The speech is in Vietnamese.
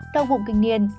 đau hụt kinh niên